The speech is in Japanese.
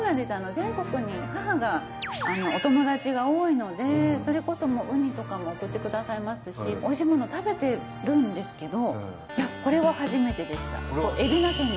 全国に母がお友達が多いのでそれこそウニとかも送ってくださいますしおいしいもの食べてるんですけどこれは初めてでした。